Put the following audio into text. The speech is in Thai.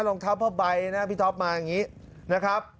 รองเท้าผ้าใบนะพี่ท็อปมาอย่างนี้นะครับ